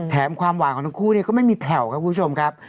ความหวานของทั้งคู่ก็ไม่มีแผ่วครับคุณผู้ชมครับ